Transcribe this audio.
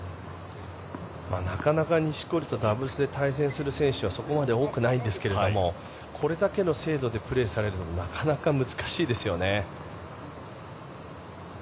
なかなか錦織とダブルスで対戦する選手はそこまで多くないですけれどもこれだけの精度でプレーされるのなかなか難しいですよね。